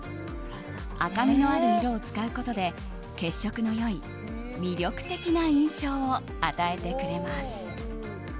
赤みのある色を使うことで血色の良い魅力的な印象を与えてくれます。